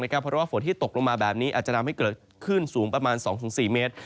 เพราะว่าฝนที่ตกลงมาแบบนี้อาจจะทำให้เกิดคลื่นสูงประมาณ๒๔เมตร